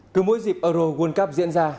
cứ mỗi dịp euro world cup diễn ra